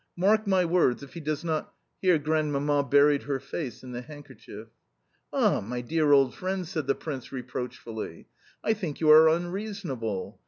Mark my words if he does not " Here Grandmamma buried her face in the handkerchief. "Ah, my dear old friend," said the Prince reproachfully. "I think you are unreasonable.